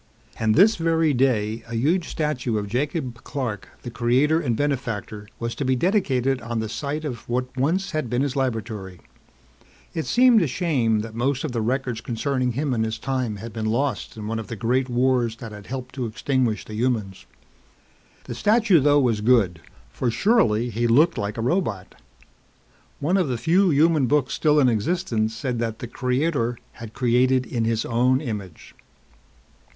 And this very day, a huge statue of Jacob Clark, the creator and benefactor, was to be dedicated on the site of what once had been his laboratory. It seemed a shame that most of the records concerning him and his time had been lost in one of the great wars that had helped to extinguish the humans. The statue though was good for surely he looked like a robot. One of the few human books still in existence said that the Creator had created in his own image.